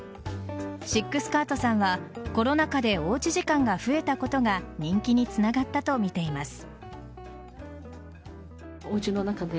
シック・スカートさんはコロナ禍でおうち時間が増えたことが人気につながったと見ています。